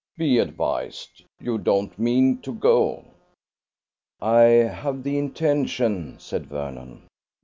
Be advised. You don't mean to go." "I have the intention," said Vernon.